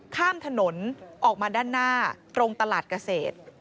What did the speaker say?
ข้ามถนนออกมาด้านหน้าตรงตลาดเกษตร